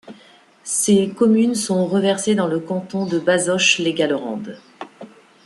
Ses communes sont reversées dans le canton de Bazoches-les-Gallerandes.